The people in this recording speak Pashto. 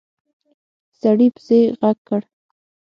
سړي پسې غږ کړ!